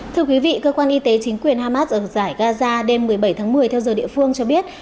thưa quý vị cơ quan y tế chính quyền hamas ở giải gaza đêm một mươi bảy tháng một mươi theo giờ địa phương cho biết